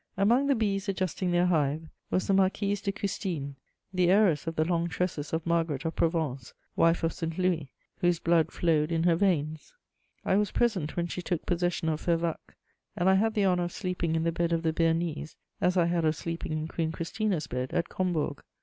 ] Among the bees adjusting their hive was the Marquise de Custine, the heiress of the long tresses of Margaret of Provence, wife of St. Louis, whose blood flowed in her veins. I was present when she took possession of Fervacques, and I had the honour of sleeping in the bed of the Bearnese, as I had of sleeping in Queen Christina's bed at Combourg.